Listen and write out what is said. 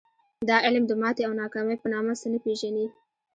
دا علم د ماتې او ناکامۍ په نامه څه نه پېژني